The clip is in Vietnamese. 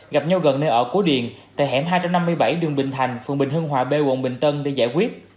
gặp nhau gần nơi ở của điền tại hẻm hai trăm năm mươi bảy đường bình thành phường bình hưng hòa b quận bình tân để giải quyết